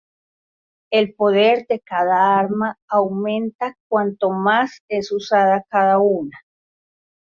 El poder de cada arma aumenta cuanto más es usada cada una.